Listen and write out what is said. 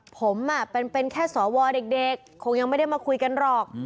ผมเป็นแค่สวเด็กคงยังไม่ได้มาคุยกันหรอก